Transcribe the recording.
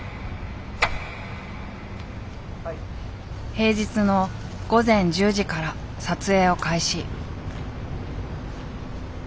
平日の午前１０時から撮影を開始。